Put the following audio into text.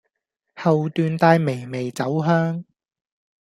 後段帶微微酒香